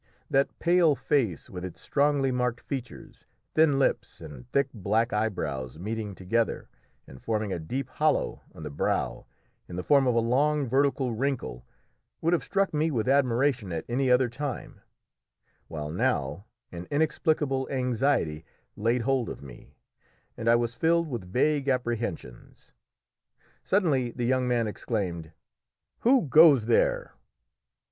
That pale face, with its strongly marked features, thin lips, and thick black eyebrows meeting together, and forming a deep hollow on the brow in the form of a long vertical wrinkle, would have struck me with admiration at any other time; while now an inexplicable anxiety laid hold of me, and I was filled with vague apprehensions. Suddenly the young man exclaimed "Who goes there?"